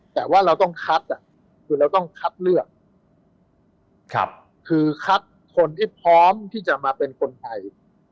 แต่ว่าเราต้องคัดคือเราต้องคัดเลือกคือคัดคนที่พร้อมที่จะมาเป็นคนไทย